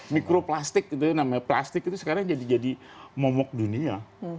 mikroplastik itu namanya plastik itu sekarang jadi momok dunia